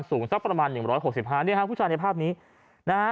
สูงสักประมาณหนึ่งร้อยหกสิบห้าเนี่ยฮะผู้ชายในภาพนี้นะฮะ